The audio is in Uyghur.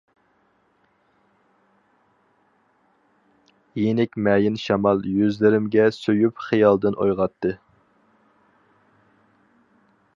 يېنىك مەيىن شامال يۈزلىرىمگە سۆيۈپ خىيالدىن ئويغاتتى.